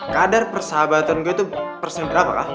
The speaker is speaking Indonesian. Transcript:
kader persahabatan gue itu persen berapa